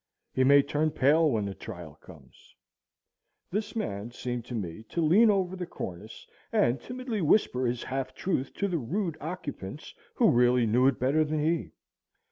He may turn pale when the trial comes. This man seemed to me to lean over the cornice, and timidly whisper his half truth to the rude occupants who really knew it better than he.